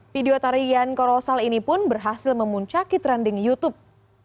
video tarian korosal ini pun berhasil memuncaki trending youtube